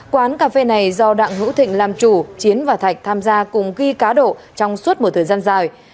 quán cà phê này do đặng hữu thịnh làm chủ chiến và thạch tham gia cùng ghi cá độ trong suốt một thời gian dài